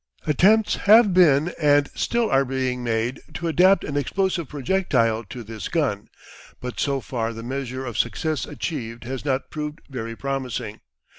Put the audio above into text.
Attempts have been and still are being made to adapt an explosive projectile to this gun, but so far the measure of success achieved has not proved very promising.